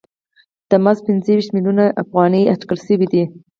دا مزد پنځه ویشت میلیونه افغانۍ اټکل شوی دی